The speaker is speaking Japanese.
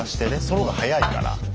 その方が早いから。